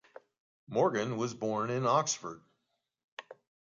Morgan was born in Oxford.